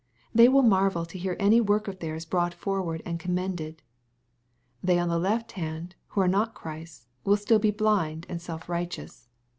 They will marvel to hear any work of theirs brought forward and commended. — They on the left hand, who are not Christ's, will still be blind and self righteous.